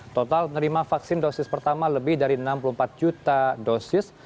total penerima vaksin dosis pertama lebih dari enam puluh empat juta dosis